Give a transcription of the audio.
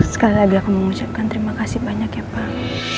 sekali lagi aku mengucapkan terima kasih banyak ya pak